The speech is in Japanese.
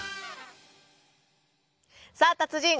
さあ達人